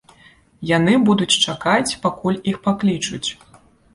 Яны будуць чакаць, пакуль іх паклічуць.